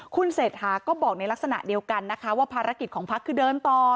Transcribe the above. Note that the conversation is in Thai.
คุณเศรษฐาก็บอกในลักษณะเดียวกันนะคะว่าภารกิจของพักคือเดินต่อ